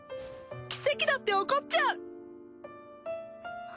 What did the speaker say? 奇跡だって起こっちゃう！